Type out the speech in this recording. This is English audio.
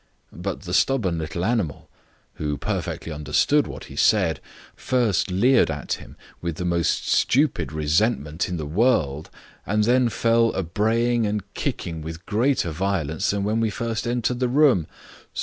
But the stubborn little animal (who perfectly understood what he said) first leered at him with the most stupid resentment in the world, and then fell a braying and kicking with greater violence than when we first entered the room.